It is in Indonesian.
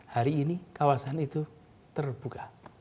hari ini kawasan itu terbuka